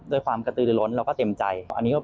ด้วยความกระตืดล้นและเต็มใจ